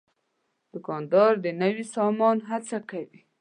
دوکاندار د نوي سامان هڅه کوي.